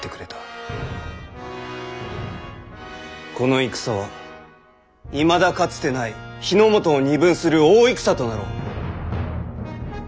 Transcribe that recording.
この戦はいまだかつてない日ノ本を二分する大戦となろう。